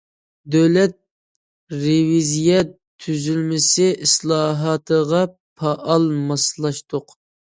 دۆلەت رېۋىزىيە تۈزۈلمىسى ئىسلاھاتىغا پائال ماسلاشتۇق.